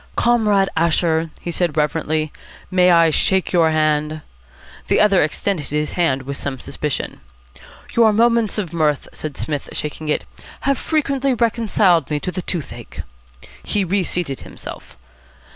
"Comrade Asher," he said reverently, "may I shake your hand?" The other extended his hand with some suspicion. "Your 'Moments of Mirth,'" said Psmith, shaking it, "have frequently reconciled me to the toothache." He reseated himself.